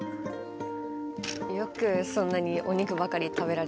よくそんなにお肉ばかり食べられますね。